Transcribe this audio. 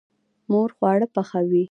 مور خواړه پخوي.